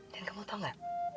dan kamu tau ga